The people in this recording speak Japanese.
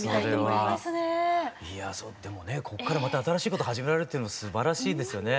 いやでもねこっからまた新しいこと始められるっていうのはすばらしいですよね。